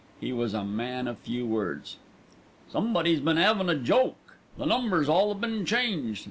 He was a man of few words. "Somebody's been 'avin' a joke. The numbers 'ave all been changed.